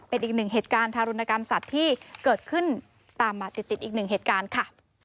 เป็นอีกหนึ่งเหตุการณ์ทารุณกรรมสัตว์ที่เกิดขึ้นตามมาติดติดอีกหนึ่งเหตุการณ์ค่ะ